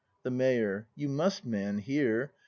The Mayor. You must, man, here.